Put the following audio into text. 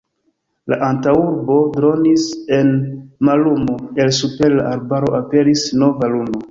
La antaŭurbo dronis en mallumo, el super la arbaro aperis nova luno.